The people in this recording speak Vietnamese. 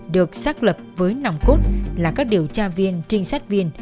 được xác lập với nòng cốt là các điều tra viên trinh sát viên